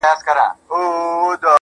چي اې زویه اې زما د سترګو توره-